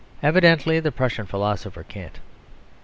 Evidently the Prussian philosopher can't.